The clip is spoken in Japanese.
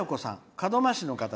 門真市の方。